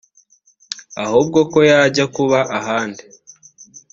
ahubwo ko yajya kuba ahandi